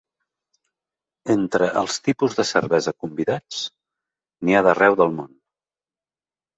Entre els tipus de cervesa convidats, n’hi ha d’arreu del món.